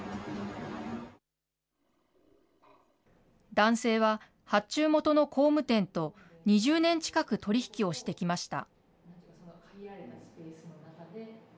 男性は、発注元の工務店と、２０年近く取り引きをしてきました。